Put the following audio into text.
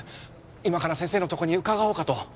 今から先生のとこに伺おうかと。